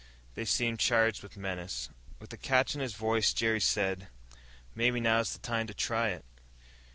They seemed charged with menace. With a catch in his voice, Jerry said, "Maybe now's the time to try it."